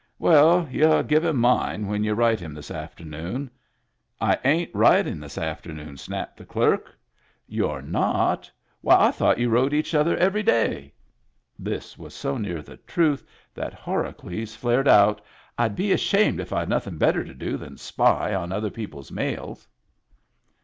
" Well, y'u give him mine when you write him this afternoon." — "I ain't writ ing this afternoon," snapped the clerk. —" You're Digitized by Google HAPPY TEETH 41 not! Why, I thought you wrote each other every day!" This was so near the truth that Horacles flared out: " Td be ashamed if Fd noth ing better to do than spy on other people's mails."